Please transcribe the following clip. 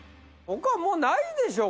他はもうないでしょ。